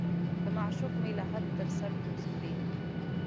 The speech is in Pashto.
که معشوق مې لحد ته سر کوز کړي.